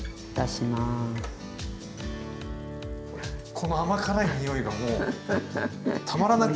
この甘辛い匂いがもうたまらなく。